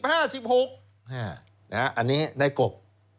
อันนี้ในกบ